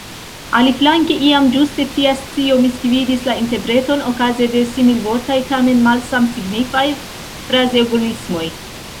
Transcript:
Aliflanke, iam ĝuste tia scio misgvidis la interpreton okaze de similvortaj, tamen malsamsignifaj, frazeologismoj.